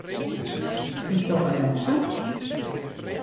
Kinsto Alexa?